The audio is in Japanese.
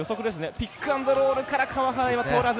ピック＆ロールから川原には通らず。